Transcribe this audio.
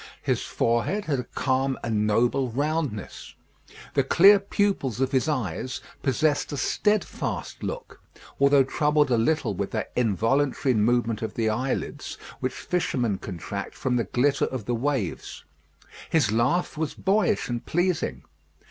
His forehead had a calm and noble roundness. The clear pupils of his eyes possessed a steadfast look, although troubled a little with that involuntary movement of the eyelids which fishermen contract from the glitter of the waves. His laugh was boyish and pleasing.